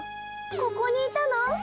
ここにいたの？